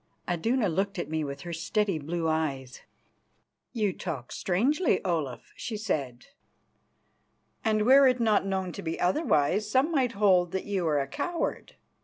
Iduna looked at me with her steady blue eyes. "You talk strangely, Olaf," she said, "and were it not known to be otherwise, some might hold that you are a coward.